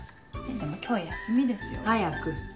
でも今日休みですよ？早く。